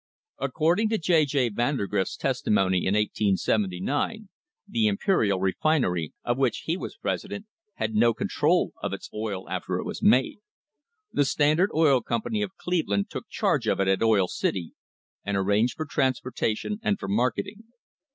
Ac cording to J. J. Vandergrift's testimony in 1879, the Imperial Refinery, of which he was president, had no control of its oil after it was made. The Standard Oil Company of Cleveland took charge of it at Oil City, and arranged for transportation and for marketing.